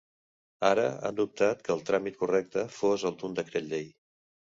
Ara, han dubtat que el tràmit correcte fos el d’un decret llei.